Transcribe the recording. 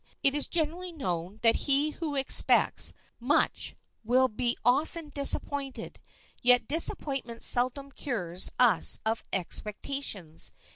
It is generally known that he who expects much will be often disappointed; yet disappointment seldom cures us of expectations.